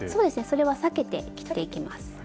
それは避けて切っていきます。